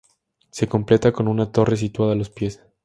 Se completa con una torre situada a los pies.